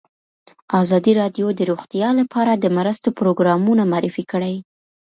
ازادي راډیو د روغتیا لپاره د مرستو پروګرامونه معرفي کړي.